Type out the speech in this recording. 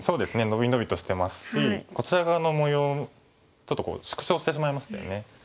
のびのびとしてますしこちら側の模様ちょっと縮小してしまいましたよね。